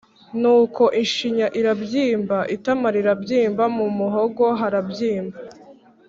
nuko ishinya irabyimba, itama rirabyimba, mu muhogo harabyimba